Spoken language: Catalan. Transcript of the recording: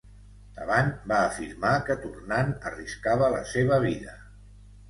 Thabane va afirmar que, tornant, arriscava la seva vida.